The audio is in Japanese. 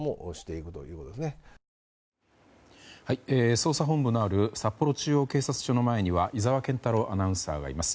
捜査本部のある札幌中央警察署の前には井澤健太朗アナウンサーがいます。